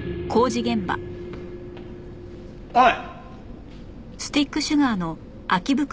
おい。